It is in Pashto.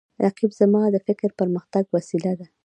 رقیب زما د فکر د پرمختګ وسیله ده